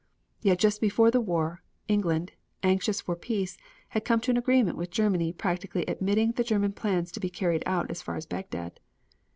Yet just before the war England, anxious for peace, had come to an agreement with Germany practically admitting the German plans to be carried out as far as Bagdad.